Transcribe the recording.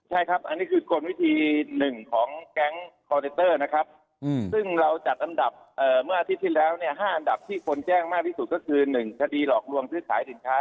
ใช่ครับอันนี้คือกลวิธีหนึ่งของแก๊งคอนเซนเตอร์นะครับซึ่งเราจัดอันดับเมื่ออาทิตย์ที่แล้วเนี่ย๕อันดับที่คนแจ้งมากที่สุดก็คือ๑คดีหลอกลวงซื้อขายสินค้า